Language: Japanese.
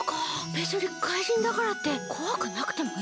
べつに怪人だからってこわくなくてもいいんだね！